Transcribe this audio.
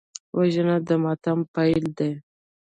وژنه د ماتم پیل دی